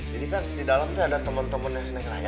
jadi kan di dalam ada teman teman yang seneng raya